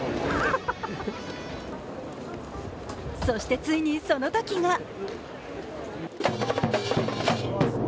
そして、ついにそのときが。